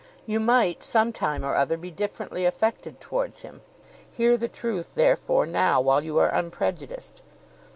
You might, some time or other, be differently affected towards him. Hear the truth, therefore, now, while you are unprejudiced.